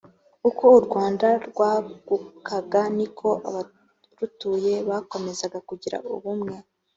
uko u rwanda rwagukaga niko abarutuye bakomezaga kugira ubumwe